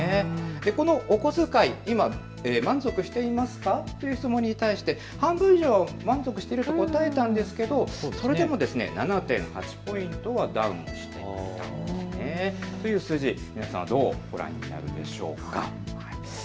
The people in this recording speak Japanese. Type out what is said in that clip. このお小遣い、今、満足していますかという質問に対して半分以上は満足していると答えたんですけどそれでも７．８ポイントダウンという数字、皆さんどうご覧になるでしょうか。